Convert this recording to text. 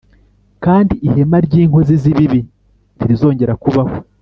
kandi ihema ry’inkozi z’ibibi ntirizongera kubaho”